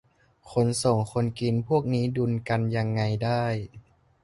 คนส่ง คนกิน พวกนี้ดุลกันยังไงได้